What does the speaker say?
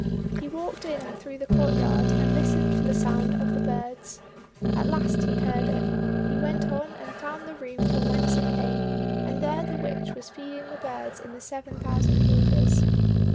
He walked in through the courtyard, and listened for the sound of the birds. At last he heard it. He went on and found the room from whence it came, and there the witch was feeding the birds in the seven thousand cages.